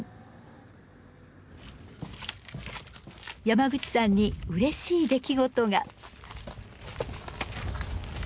山口さんにうれしい出来事が。